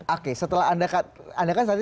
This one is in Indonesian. oke setelah anda kan